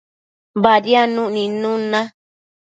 Badiadnuc nidnun na